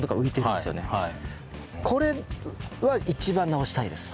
これは一番直したいです。